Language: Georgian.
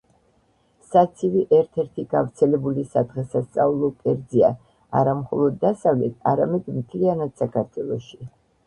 საცივი ერთ ერთი გავრცელებული სადღესასწაულო კერძია არა მხოლოდ დასავლეთ, არამედ მთლიანად საქართველოში.